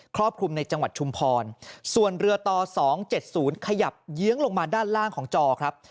รอบคลุมในจังหวัดชุมพรส่วนเรือต่อ๒๗๐ขยับเยื้องลงมาด้านล่างของจอครับ